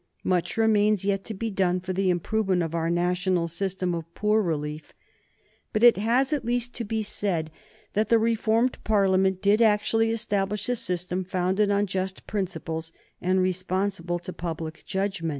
Much remains yet to be done for the improvement of our national system of poor relief, but it has, at least, to be said that the reformed Parliament did actually establish a system founded on just principles and responsible to public judgment.